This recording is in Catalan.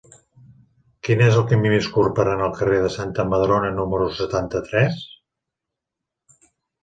Quin és el camí més curt per anar al carrer de Santa Madrona número setanta-tres?